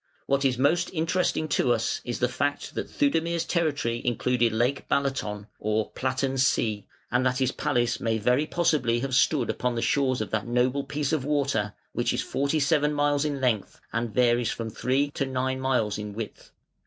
What is most interesting to us is the fact that Theudemir's territory included Lake Balaton (or Platten See), and that his palace may very possibly have stood upon the shores of that noble piece of water, which is forty seven miles in length and varies from three to nine miles in width.